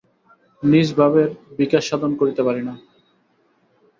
নিজ ভাবের বিকাশসাধন করিতে পারি না।